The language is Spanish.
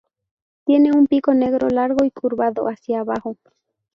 Tiene un pico negro largo y curvado hacia abajo.